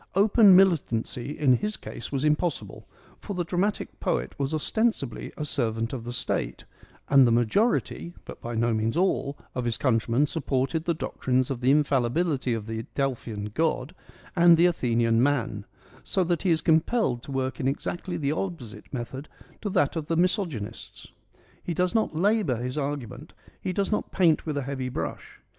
Open militancy in his case was impossible, for the dramatic poet was EURIPIDES 89 ostensibly a servant of the state and the majority, but by no means all, of his countrymen supported the doctrines of the infallibility of the Delphian god and the Athenian man, so that he is compelled to work in exactly the opposite method to that of the misogynists. He does not labour his argument : he does not paint with a heavy brush.